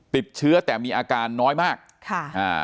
ติดเชื้อแต่มีอาการน้อยมากค่ะอ่า